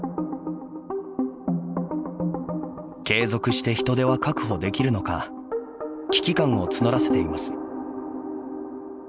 継続して人手は確保できるのか危機感を募らせています。